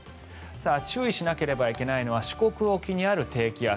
注意しなければいけないのは四国沖にある低気圧。